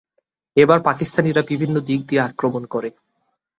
এবার পাকিস্তানিরা বিভিন্ন দিক দিয়ে আক্রমণ করে।